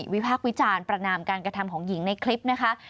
พากษ์วิจารณ์ประนามการกระทำของหญิงในคลิปนะคะ